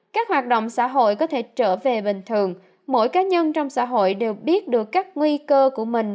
các hoạt động xã hội có thể trở về bình thường mỗi cá nhân trong xã hội đều biết được các nguy cơ của mình